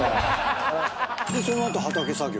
その後畑作業。